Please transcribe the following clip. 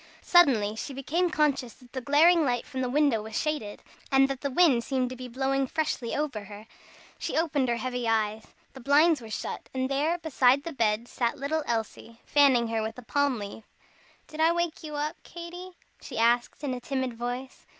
Suddenly she became conscious that the glaring light from the window was shaded, and that the wind seemed to be blowing freshly over her. She opened her heavy eyes. The blinds were shut, and there beside the bed sat little Elsie, fanning her with a palm leaf fan. "Did I wake you up, Katy?" she asked in a timid voice.